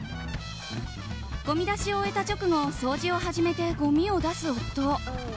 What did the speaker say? ごみ出しを終えた直後掃除を始めてごみを出す夫。